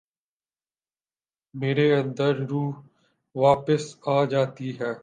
میرے اندر روح واپس آ جاتی ہے ۔